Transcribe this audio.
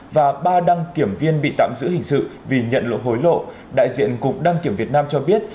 và ba đăng kiểm viên bị tạm giữ hình sự vì nhận lộ hối lộ đại diện cục đăng kiểm việt nam cho biết